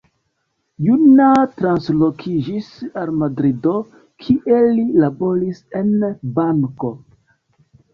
Juna translokiĝis al Madrido, kie li laboris en banko.